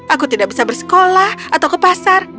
aku tidak bisa bersekolah atau ke pasar